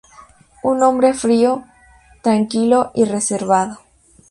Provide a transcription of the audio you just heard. Un hombre frío, tranquilo y reservado.